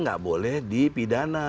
tidak boleh di pidana